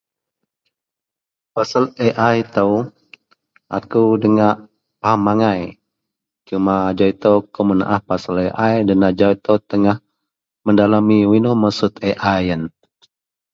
Pasel AI Itou akou dengak pahem angai, cumak ajau itou akou menaah pasel AI dan ajau itou tengah mendalami wak inou maksud AI yen.